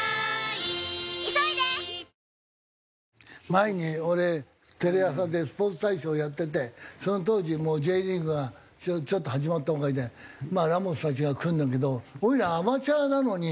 前に俺テレ朝で『スポーツ大将』やっててその当時もうＪリーグはちょっと始まったばかりでまあラモスたちが来るんだけど俺らアマチュアなのに。